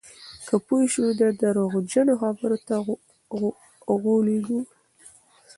که پوه شو، نو درواغجنو خبرو ته غولېږو.